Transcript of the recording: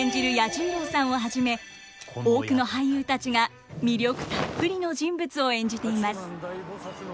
彌十郎さんをはじめ多くの俳優たちが魅力たっぷりの人物を演じています。